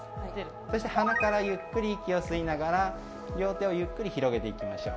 そして、鼻から息をゆっくり吸いながら両手をゆっくり広げていきましょう。